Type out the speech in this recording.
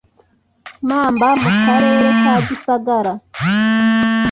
mamba mu karere ka gisagara